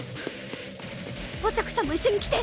お茶子さんも一緒に来て。